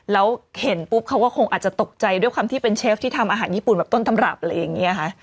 แล้วเห็นปุ๊บเขาก็คงอาจจะตกใจด้วยความที่เป็นเชฟที่ทำอาหารญี่ปุ่นแบบต้นตำรับอะไรอย่างนี้ค่ะ